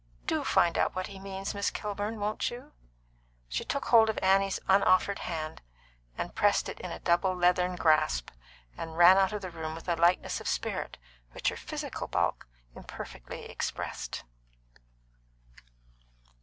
Do find out what he means, Miss Kilburn, won't you?" She took hold of Annie's unoffered hand, and pressed it in a double leathern grasp, and ran out of the room with a lightness of spirit which her physical bulk imperfectly expressed.